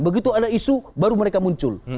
begitu ada isu baru mereka muncul